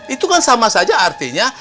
itu kan sama saja artinya